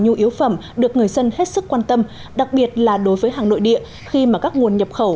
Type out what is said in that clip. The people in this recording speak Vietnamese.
nhu yếu phẩm được người dân hết sức quan tâm đặc biệt là đối với hàng nội địa khi mà các nguồn nhập khẩu